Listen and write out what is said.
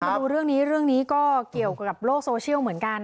ถ้าดูเรื่องนี้ก็เกี่ยวกับโลกโซเชียลเหมือนกัน